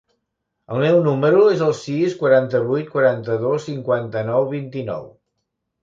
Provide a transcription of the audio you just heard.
El meu número es el sis, quaranta-vuit, quaranta-dos, cinquanta-nou, vint-i-nou.